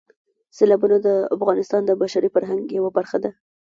سیلابونه د افغانستان د بشري فرهنګ یوه برخه ده.